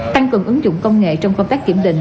tăng cường ứng dụng công nghệ trong công tác kiểm định